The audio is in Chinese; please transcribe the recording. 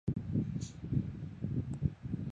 有省内客运巴士可前往阿讷西。